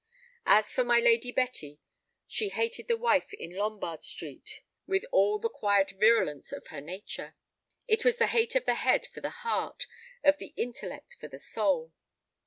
As for my lady Betty, she hated the wife in Lombard Street with all the quiet virulence of her nature. It was the hate of the head for the heart, of the intellect for the soul.